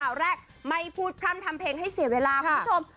ข่าวแรกไม่พูดพร่ำทำเพลงให้เสียเวลาคุณผู้ชม